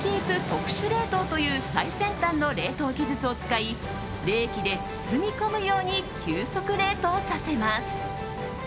特殊冷凍という最先端の冷凍技術を使い冷気で包み込むように急速冷凍させます。